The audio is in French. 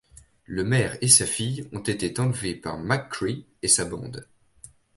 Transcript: Le maire et sa fille ont été enlevés par McCree et sa bande.